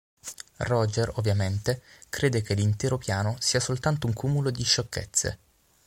Roger, ovviamente, crede che l'intero piano sia soltanto un cumulo di sciocchezze.